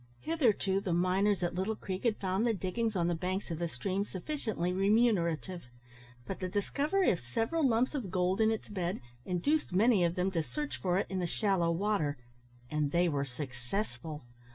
Hitherto the miners at Little Creek had found the diggings on the banks of the stream sufficiently remunerative; but the discovery of several lumps of gold in its bed, induced many of them to search for it in the shallow water, and they were successful.